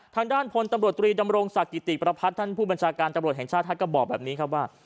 ทางด้านพลตำรวจตรีดำรงศักดิติประพัฒน์ท่านผู้บัญชาการตำรวจแห่งชาติท่านก็บอกแบบนี้ครับว่า